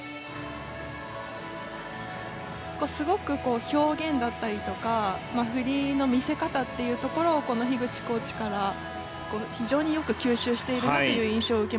すごく表現だったりとか振りの見せ方っていうところをこの樋口コーチから非常によく吸収しているなという印象を受けますね。